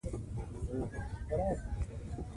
د سولې د ټینګښت لپاره کار وکړئ.